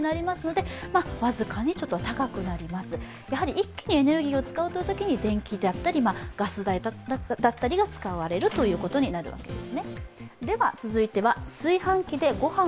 一気にエネルギーを使うときに電気だったり、ガス代だったりが使われるということになるわけです。